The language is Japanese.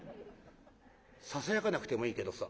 「ささやかなくてもいいけどさ。